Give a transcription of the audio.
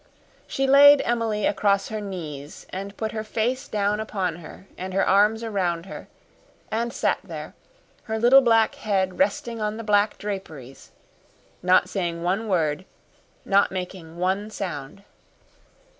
She laid Emily across her knees and put her face down upon her and her arms around her, and sat there, her little black head resting on the black draperies, not saying one word, not making one sound.